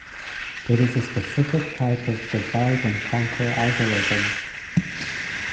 It is a specific type of divide and conquer algorithm.